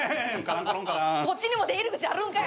そっちにも出入り口あるんかい。